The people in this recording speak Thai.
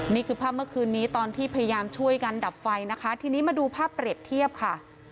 นี่คือภาพเมื่อคืนนี้ตอนที่พยายามช่วยกันดับไฟนะคะทีนี้มาดูภาพเปรียบเทียบค่ะ